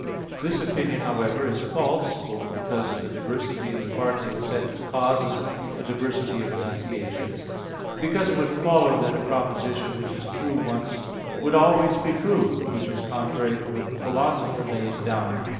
This opinion, however, is false; both because the diversity in the parts of a sentence causes a diversity of enunciations; and because it would follow that a proposition which is true once would be always true; which is contrary to what the Philosopher lays down (Categor.